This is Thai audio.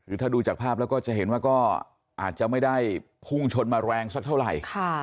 คือถ้าดูจากภาพแล้วก็จะเห็นว่าก็อาจจะไม่ได้พุ่งชนมาแรงสักเท่าไหร่